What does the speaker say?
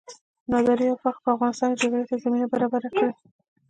ناداري او فقر په افغانستان کې جګړې ته زمینه برابره کړې.